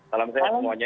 salam sehat semuanya